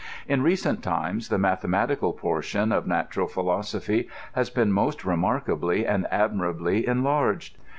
In recent times, the mathematical portion of natural philosophy has been most remarkably and admirably enlarged.